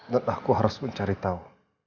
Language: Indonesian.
dan aku harus mencari tahu